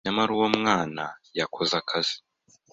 nyamara uwo mwana yakoze akazi